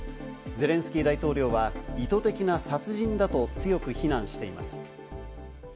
ゼレンスキー大統領は意図的な殺人だと強く非難しています。